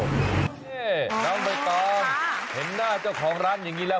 น้องเบย์ตอมเห็นหน้าเจ้าของร้านอย่างนี้แหละ